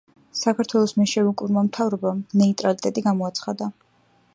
საქართველოს მენშევიკურმა მთავრობამ ნეიტრალიტეტი გამოაცხადა.